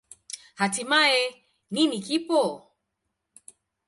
Hatimaye, nini kipo?